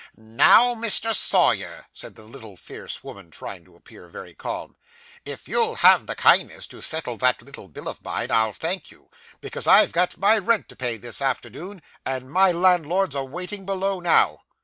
'Now, Mr. Sawyer,' said the little, fierce woman, trying to appear very calm, 'if you'll have the kindness to settle that little bill of mine I'll thank you, because I've got my rent to pay this afternoon, and my landlord's a waiting below now.